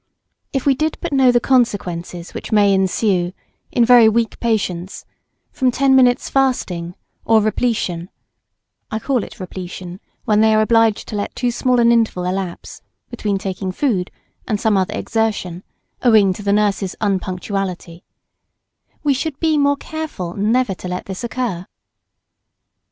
] If we did but know the consequences which may ensue, in very weak patients, from ten minutes' fasting or repletion (I call it repletion when they are obliged to let too small an interval elapse between taking food and some other exertion, owing to the nurse's unpunctuality), we should be more careful never to let this occur.